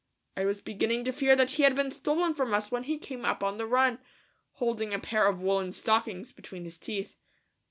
I was beginning to fear that he had been stolen from us when he came up on the run, holding a pair of woolen stockings between his teeth.